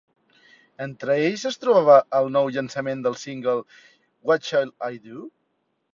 Entre ells es trobava el nou llançament del single "What Shall I Do?".